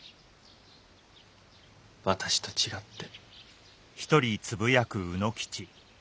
私と違って。